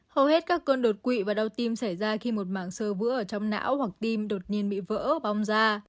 hầu hết các cơn đột quỵ và đau tim xảy ra khi một mạng sơ vữa ở trong não hoặc tim đột nhiên bị vỡ bong da